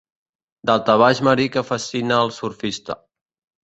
Daltabaix marí que fascina al surfista.